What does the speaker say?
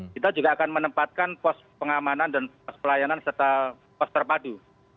kita juga akan menempatkan pos pengamanan dan pos pelayanan serta pos terpadu